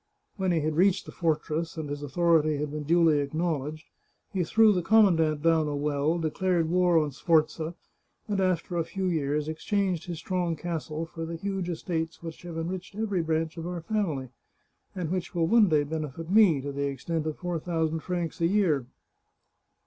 When he had reached the fortress, and his authority had been duly acknowledged, he threw the com mandant down a well, declared war on Sforza, and, after a few years, exchanged his strong castle for the huge estates which have enriched every branch of our family, and which will one day benefit me to the extent of four thousand francs a year."